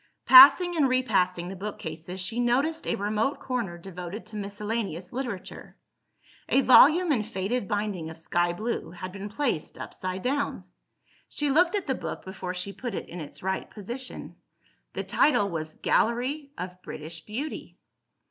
Passing and repassing the bookcases, she noticed a remote corner devoted to miscellaneous literature. A volume in faded binding of sky blue, had been placed upside down. She looked at the book before she put it in its right position. The title was "Gallery of British Beauty."